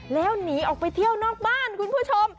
แล้วหนีออกไปเที่ยวนอกบ้านคุณผู้ชม